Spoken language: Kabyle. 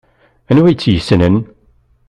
Anwa ay t-yessnen?